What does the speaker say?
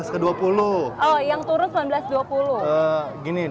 ini saya nyontek dulu sedikit nih bang